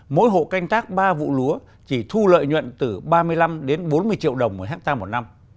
mỗi hộ canh tác ba vụ lúa chỉ thu lợi nhuận từ ba mươi năm đến bốn mươi triệu đồng một hectare một năm